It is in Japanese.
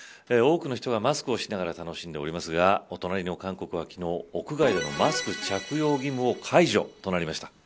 多くの人がマスクをしながら楽しんでいますがお隣の韓国は昨日、屋外でのマスク着用義務を解除しました。